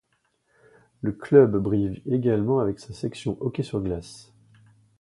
Le club brille également avec sa section hockey sur glace.